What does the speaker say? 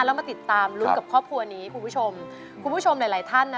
แล้วมาติดตามรุ้นกับครอบครัวนี้คุณผู้ชมคุณผู้ชมหลายหลายท่านนะ